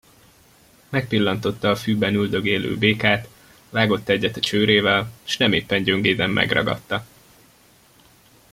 Megpillantotta a fűben üldögélő békát, vágott egyet a csőrével, s nem éppen gyöngéden megragadta.